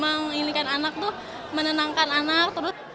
menginginkan anak tuh menenangkan anak